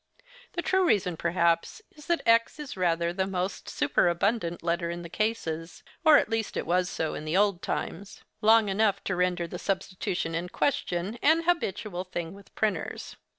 The true reason, perhaps, is that x is rather the most superabundant letter in the cases, or at least was so in the old times—long enough to render the substitution in question an habitual thing with printers.